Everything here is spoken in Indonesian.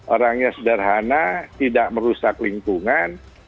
orangnya sederhana tidak merusak lingkungan